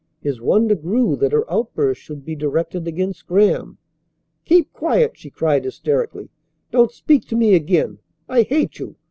His wonder grew that her outburst should be directed against Graham. "Keep quiet!" she cried hysterically. "Don't speak to me again. I hate you!